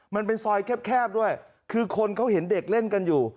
มันเป็นซอยแคบด้วยคือคนเขาเห็นเด็กเล่นกันอยู่